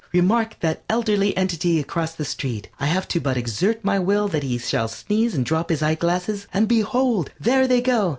Remark that elderly entity across the street. I have to but exert my will that he shall sneeze and drop his eyeglasses, and behold, there they go."